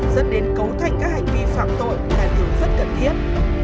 dẫn đến cấu thành các hành vi phạm tội là điều rất cần thiết